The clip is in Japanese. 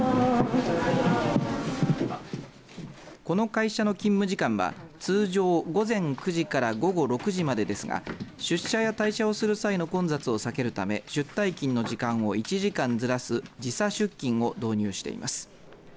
この会社の勤務時間は通常午前９時から午後６時までですが出社や退社をする際の混雑を避けるため出退勤の時間を１時間ずらす時差出勤を導入しています。